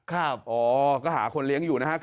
อ๋อก็หาคนเลี้ยงอยู่นะฮะ